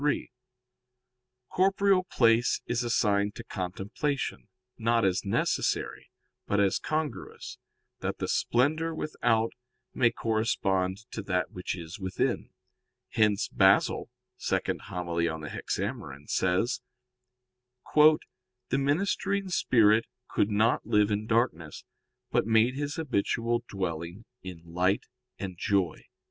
3: Corporeal place is assigned to contemplation, not as necessary, but as congruous, that the splendor without may correspond to that which is within. Hence Basil (Hom. ii in Hexaem.) says: "The ministering spirit could not live in darkness, but made his habitual dwelling in light and joy."